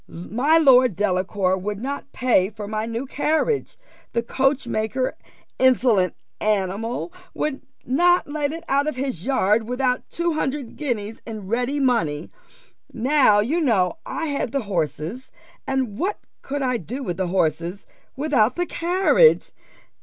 My Lord Delacour would not pay for my new carriage. The coachmaker, insolent animal, would not let it out of his yard without two hundred guineas in ready money. Now you know I had the horses, and what could I do with the horses without the carriage?